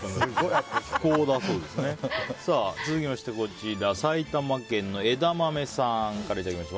続いて埼玉県の方からいただきました。